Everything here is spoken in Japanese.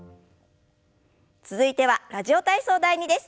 続いては「ラジオ体操第２」です。